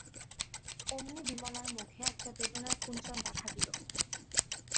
অমনি বিমলার মুখে একটা বেদনার কুঞ্চন দেখা দিল।